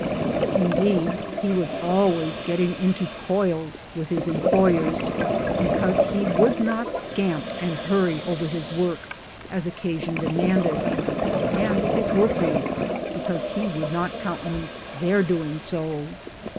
Indeed he was always getting into coils with his employers because he would not scamp and hurry over his work, as occasion demanded ; and with his workmates because he would not countenance their doing so.